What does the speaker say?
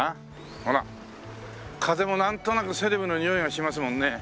ほら風もなんとなくセレブのにおいがしますもんね。